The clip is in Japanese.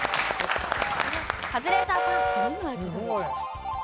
カズレーザーさん。